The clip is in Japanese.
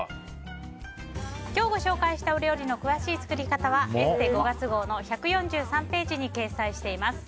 今日ご紹介したお料理の詳しい作り方は「ＥＳＳＥ」５月号の１４３ページに掲載しています。